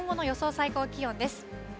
最高気温です。